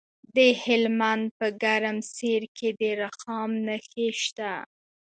د هلمند په ګرمسیر کې د رخام نښې شته.